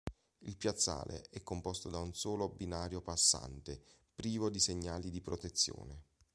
Il piazzale è composto da un solo binario passante privo di segnali di protezione.